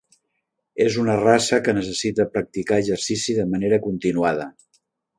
És una raça que necessita practicar exercici de manera continuada.